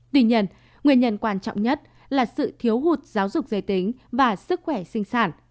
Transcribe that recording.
tuy nhiên nguyên nhân quan trọng nhất là sự thiếu hụt giáo dục giới tính và sức khỏe sinh sản